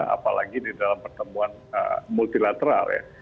apalagi di dalam pertemuan multilateral ya